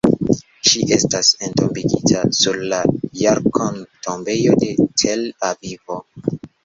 Ŝi estas entombigita sur Jarkon'-tombejo de Tel-Avivo.